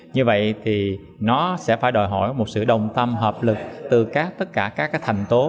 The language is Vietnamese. như vậy thì nó sẽ phải đòi hỏi một sự đồng tâm hợp lực từ tất cả các thành tố